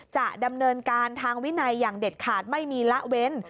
จะดำเนินการทางวินัยอย่างเด็ดขาดไม่มีละเว้น